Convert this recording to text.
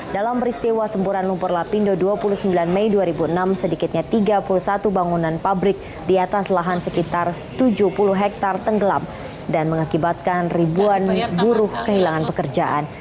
dalam peristiwa semburan lumpur lapindo dua puluh sembilan mei dua ribu enam sedikitnya tiga puluh satu bangunan pabrik di atas lahan sekitar tujuh puluh hektare tenggelam dan mengakibatkan ribuan buruh kehilangan pekerjaan